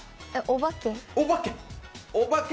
お化け？